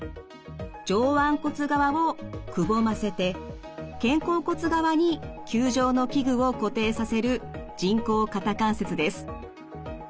上腕骨側をくぼませて肩甲骨側に球状の器具を固定させる人工肩関節です。